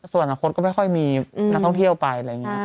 ส่วนอันคดก็ไม่ค่อยมีนักท่องเที่ยวไป